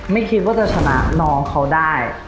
ไม่คิดว่าจะชนะน้องเขาได้